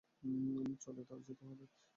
চলে তার যেতে হবে।